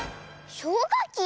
しょうかき？